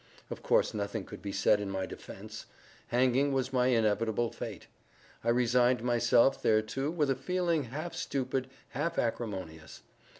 Of course nothing could be said in my defence. Hanging was my inevitable fate. I resigned myself thereto with a feeling half stupid, half acrimonious.